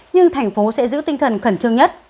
nhưng thành phố sẽ giữ tinh thần khẩn trương nhất